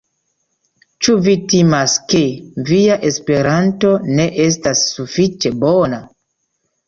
Ĉu vi timas, ke via Esperanto ne estas sufiĉe bona?